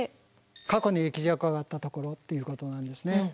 過去に液状化があったところっていうことなんですね。